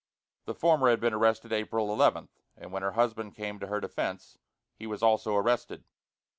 The former had been arrested April 11, and when her husband came to her defence, he was also arrested.